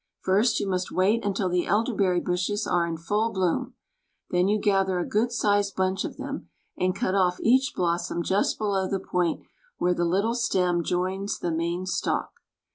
First you must wait until the elderberry bushes are in full bloom. Then you gather a good sized bunch of them' — and cut off each blossom just below the point where the little stems join the main stalk.